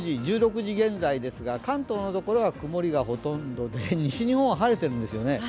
１６時現在ですが、関東の所は曇りがほとんどで西日本は晴れているんですよね。